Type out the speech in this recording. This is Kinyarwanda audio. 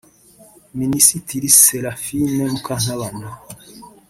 Minisitiri Seraphine Mukantabana